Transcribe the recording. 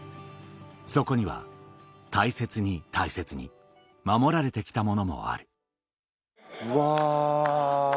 そこには大切に大切に守られてきたものもあるうわ。